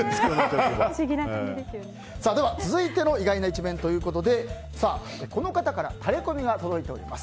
続いての意外な一面ということでこの方からタレコミが届いております。